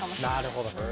なるほど。